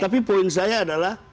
tapi poin saya adalah